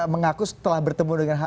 mengaku setelah bertemu dengan